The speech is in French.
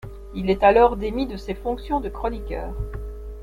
Il est alors démis de ses fonctions de chroniqueur.